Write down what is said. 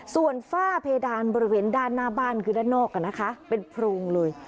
ส่วนฝ้าเพดานบริเวณด้านหน้าบ้านคือด้านนอกเป็นโพรงเลย